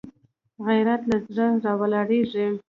غیرت له زړه راولاړېږي